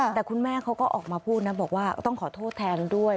แต่คุณแม่เขาก็ออกมาพูดนะบอกว่าต้องขอโทษแทนด้วย